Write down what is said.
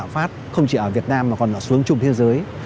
phát không chỉ ở việt nam mà còn ở xuống chung thế giới